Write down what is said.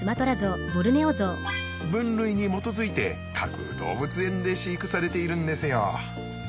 分類に基づいて各動物園で飼育されているんですよ。